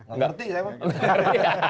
enggak ngerti ya pak